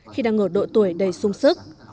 khi đang ở độ tuổi đầy sung sức